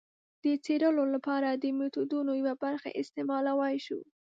د څېړلو لپاره د میتودونو یوه برخه استعمالولای شو.